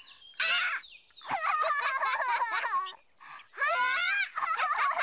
あっ！